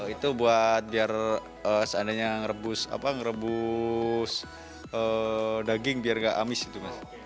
itu buat biar seandainya merebus daging biar gak amis gitu mas